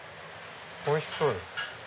おいしそう！